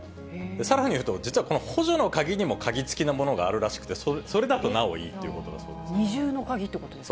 さらにいうと、実はこの補助の鍵にも鍵付きのものがあるらしくて、それだとなお二重の鍵ってことですね。